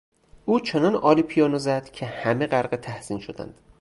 او چنان عالی پیانو زد که همه غرق تحسین شدند.